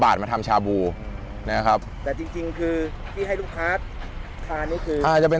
บาทมาทำชาบูนะครับแต่จริงจริงคือที่ให้ลูกค้าทานนี่คืออาจจะเป็น